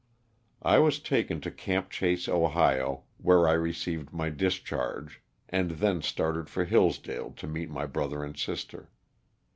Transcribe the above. I was taken to '^ Camp Chase," Ohio, where I received my discharge, and then started for Hillsdale to meet my brother and sister.